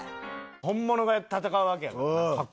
本物が戦うわけやから。